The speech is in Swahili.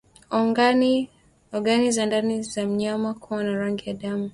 Ogani za ndani za mnyama kuwa na rangi ya damu